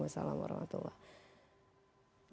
waalaikumsalam warahmatullahi wabarakatuh